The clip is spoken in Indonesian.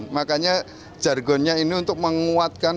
makanya jargonnya ini untuk menguatkan